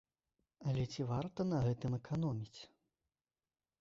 Але ці варта на гэтым эканоміць?